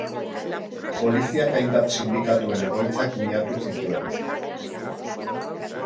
Poliziak hainbat sindikatuen egoitzak miatu zituen.